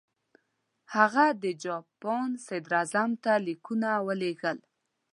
هغه د جاپان صدراعظم ته لیکونه ولېږل.